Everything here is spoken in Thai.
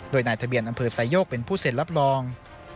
โดยนายทะเบียนอำเภอไซโยกเป็นผู้เซ็นรับรอง